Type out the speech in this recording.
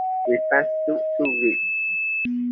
Repairs took two weeks.